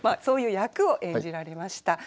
そういう役を演じられました。